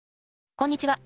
こんにちは。